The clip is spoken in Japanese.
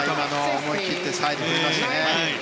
思い切ってサイドに行きましたね。